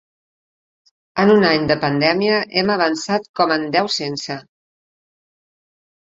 En un any de pandèmia hem avançat com en deu sense.